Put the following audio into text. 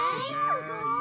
すごい。